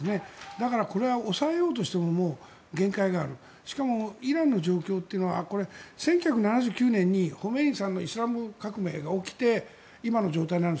だから、これは抑えようとしてももう限界があるしかもイランの状況というのは１９７９年に、ホメイニさんのイスラム革命が起きて今の状態にあって。